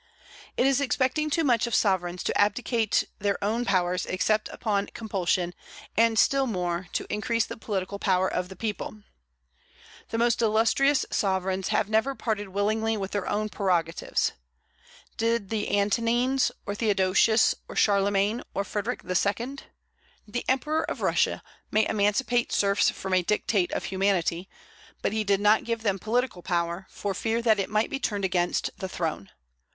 It is expecting too much of sovereigns to abdicate their own powers except upon compulsion; and still more, to increase the political power of the people. The most illustrious sovereigns have never parted willingly with their own prerogatives. Did the Antonines, or Theodosius, or Charlemagne, or 'Frederic II.? The Emperor of Russia may emancipate serfs from a dictate of humanity, but he did not give them political power, for fear that it might be turned against the throne.